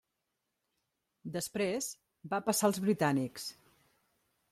Després va passar als britànics.